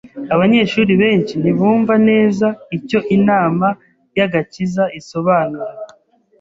Abanyeshuri benshi ntibumva neza icyo inama y’agakiza isobanura.